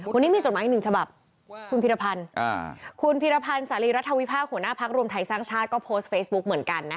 วันนี้มีจดหมายหนึ่ง